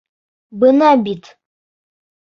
Бына бит!